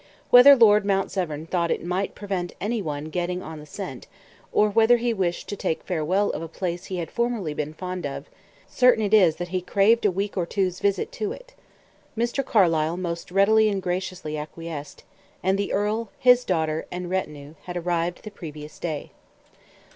Whether Lord Mount Severn thought it might prevent any one getting on the scent, or whether he wished to take farewell of a place he had formerly been fond of, certain it is that he craved a week or two's visit to it. Mr. Carlyle most readily and graciously acquiesced; and the earl, his daughter, and retinue had arrived the previous day.